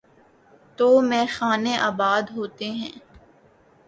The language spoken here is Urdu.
تو میخانے آباد ہوتے ہیں۔